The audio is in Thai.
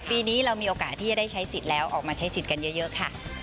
ปีนี้เรามีโอกาสที่จะได้ใช้สิทธิ์แล้วออกมาใช้สิทธิ์กันเยอะค่ะ